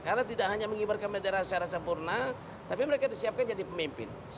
karena tidak hanya mengibarkan daerah secara sempurna tapi mereka disiapkan jadi pemimpin